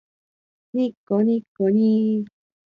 にっこにっこにー